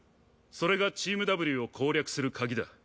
それがチームＷを攻略する鍵だ。